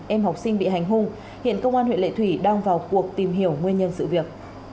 em học sinh bị hành hung hiện công an huyện lệ thủy đang vào cuộc tìm hiểu nguyên nhân sự việc